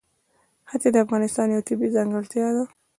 ښتې د افغانستان یوه طبیعي ځانګړتیا ده.